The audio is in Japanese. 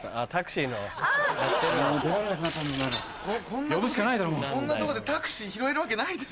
こんなとこでタクシー拾えるわけないですよ。